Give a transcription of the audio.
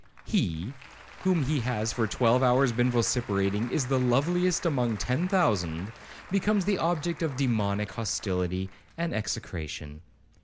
'He, whom he has for twelve hours been vociferating 'is the loveliest among ten thousand,' becomes the object of demoniac hostility and execration.